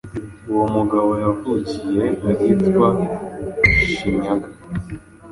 Uwo mugaboYavukiye ahitwa Shinyanga